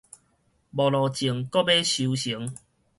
無落種閣欲收成